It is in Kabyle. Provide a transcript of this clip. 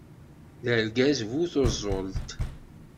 D argaz bu tuẓult.